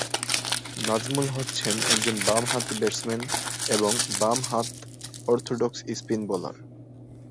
নাজমুল হচ্ছেন একজন বাম-হাতি ব্যাটসম্যান এবং বাম-হাত অর্থোডক্স স্পিন বোলার।